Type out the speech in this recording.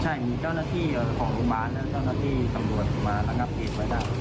ใช่มีเจ้าหน้าที่ของภูมิบ้านและเจ้าหน้าที่สำรวจมาระงับเกษตรวรรดา